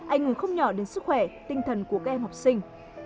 anh người không nhỏ đến sức khỏe tinh thần của các em học sinh